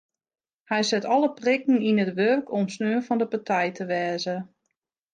Hy set alle prikken yn it wurk om sneon fan de partij te wêze.